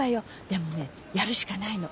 でもねやるしかないの。